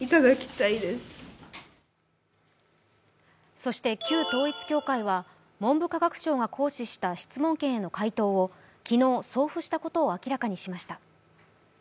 そして旧統一教会は文部科学省が行使した質問権への回答を昨日、送付したことを明らかにしました。